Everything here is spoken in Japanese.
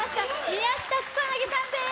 宮下草薙さんです